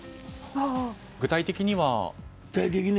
具体的には？